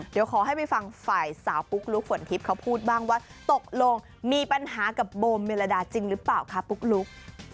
เดี๋ยวขอให้ไปฟังฝ่ายสาวปุ๊กลุ๊กฝนทิพย์เขาพูดบ้างว่าตกลงมีปัญหากับโบเมลดาจริงหรือเปล่าคะปุ๊กลุ๊ก